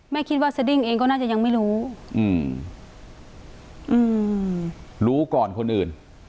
คิดว่าสดิ้งเองก็น่าจะยังไม่รู้อืมรู้ก่อนคนอื่น